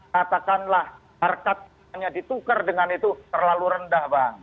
katakanlah harga yang ditukar dengan itu terlalu rendah bang